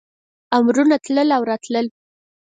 امرونه تلل او راتلل.